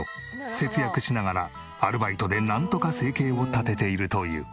節約しながらアルバイトでなんとか生計を立てているという。